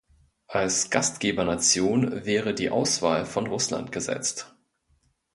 Als Gastgebernation wäre die Auswahl von Russland gesetzt.